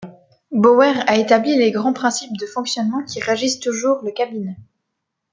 Bower a établi les grands principes de fonctionnement qui régissent toujours le cabinet.